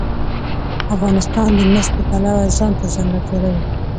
افغانستان د مس د پلوه ځانته ځانګړتیا لري.